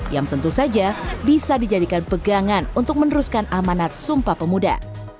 yang tentu saja bisa dijadikan pegangan untuk meneruskan amanat sumpah pemuda